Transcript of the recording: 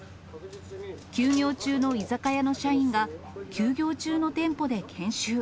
休業中の居酒屋の社員が、休業中の店舗で研修。